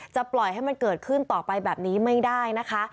ปล่อยให้มันเกิดขึ้นต่อไปแบบนี้ไม่ได้นะคะ